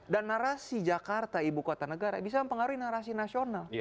dan narasi jakarta ibu kota negara bisa mempengaruhi narasi nasional